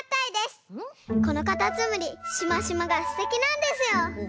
このカタツムリシマシマがすてきなんですよ。